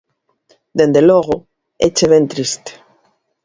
¡Dende logo éche ben triste!